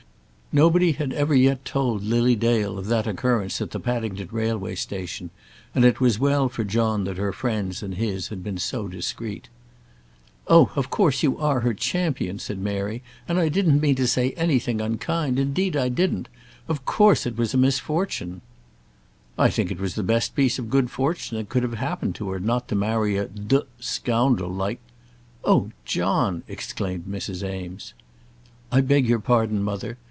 Nobody had ever yet told Lily Dale of that occurrence at the Paddington Railway Station, and it was well for John that her friends and his had been so discreet. "Oh, of course you are her champion," said Mary. "And I didn't mean to say anything unkind. Indeed I didn't. Of course it was a misfortune." "I think it was the best piece of good fortune that could have happened to her, not to marry a d scoundrel like " "Oh, John!" exclaimed Mrs. Eames. "I beg your pardon, mother.